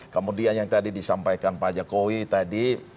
kemudian yang tadi disampaikan pak jokowi tadi